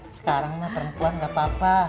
sekarang mah perempuan gak apa apa